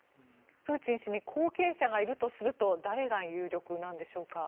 プーチン氏に後継者がいるとすると誰が有力なんでしょうか。